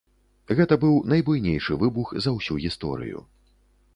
Гэта быў найбуйнейшы выбух за ўсю гісторыю.